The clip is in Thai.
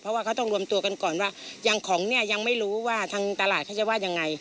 เพราะว่าเขาต้องรวมตัวกันก่อนว่าอย่างของเนี่ยยังไม่รู้ว่าทางตลาดเขาจะว่ายังไง